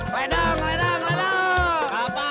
maedang maedang maedang